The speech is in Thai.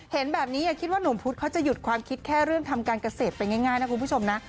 เห็นแบบนี้อย่าคิดว่าหนุ่มพุธเขาจะหยุดความคิดแค่เรื่องทำการเกษตรไปง่ายนะคุณผู้ชมนะ